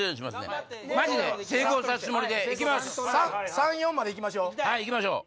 ３４までいきましょう。